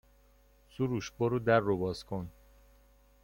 سروش برو در رو باز کن